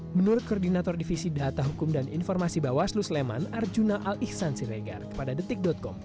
menurut koordinator divisi data hukum dan informasi bawaslu sleman arjuna al ihsan siregar kepada detik com